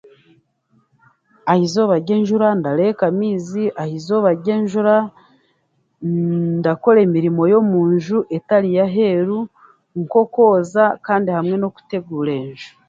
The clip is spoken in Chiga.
Aha izooba ry'enjura ndareeka amaizi, ahaizooba ry'enjura ndakora emirimo y'omunju etari y'aheeru, nk'okwoza, kandi hamwe n'okuteguura enju.